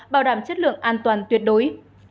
bảo đảm chất lượng an toàn tuyệt đối